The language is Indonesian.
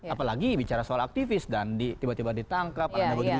apalagi bicara soal aktivis dan tiba tiba ditangkap